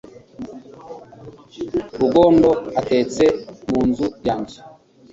Rugondo atetse mu nzu yanjye